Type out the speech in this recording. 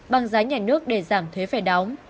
bằng giá nhảy nước để giảm thuế phải đóng